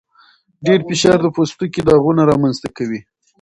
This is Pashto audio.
ډېر فشار د پوستکي داغونه رامنځته کوي.